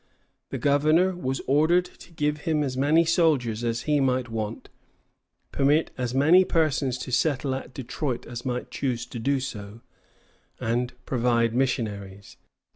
The governor was ordered to give him as many soldiers as he might want, permit as many persons to settle at Detroit as might choose to do so, and provide missionaries.